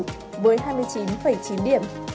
đạt điểm kỷ lục với hai mươi chín chín điểm